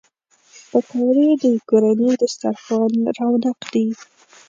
پکورې د کورني دسترخوان رونق دي